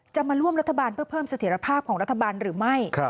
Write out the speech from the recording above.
จะมาร่วมรัฐบาลเพื่อเพิ่มเสถียรภาพของรัฐบาลหรือไม่